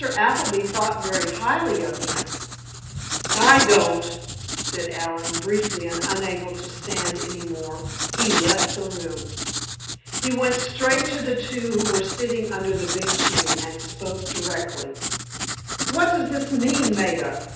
Appleby thought very highly of him." "I don't!" said Allen, briefly, and unable to stand any more, he left the room. He went straight to the two who were sitting under the big tree, and spoke directly: "What does this mean, Maida?